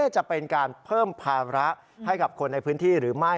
จะเป็นการเพิ่มภาระให้กับคนในพื้นที่หรือไม่